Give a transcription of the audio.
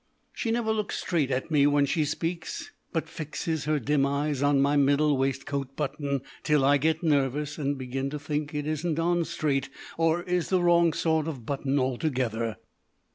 She never looks straight at me when she speaks, but fixes her dim eyes on my middle waistcoat button, till I get nervous and begin to think it isn't on straight, or is the wrong sort of button altogether.